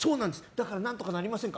だから何とかなりませんか？